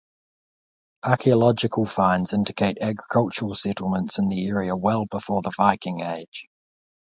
Archeological finds indicate agricultural settlements in the area well before the Viking Age.